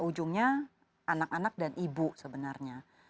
ujungnya anak anak dan ibu sebenarnya